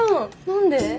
何で？